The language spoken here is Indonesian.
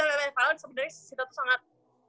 padahal sebenarnya sita tuh sangat